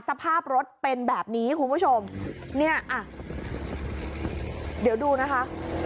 สภาพรถเป็นแบบนี้คุณผู้ชมเนี่ยอ่ะเดี๋ยวดูนะคะ